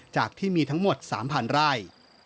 จากที่มีทั้งหมด๓๐๐ไร่